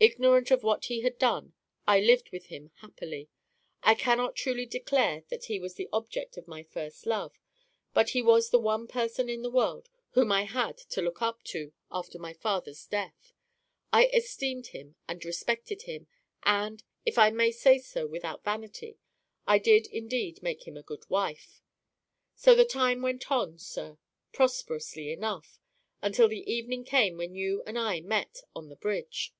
Ignorant of what he had done, I lived with him happily. I cannot truly declare that he was the object of my first love, but he was the one person in the world whom I had to look up to after my father's death. I esteemed him and respected him, and, if I may say so without vanity, I did indeed make him a good wife. "So the time went on, sir, prosperously enough, until the evening came when you and I met on the bridge.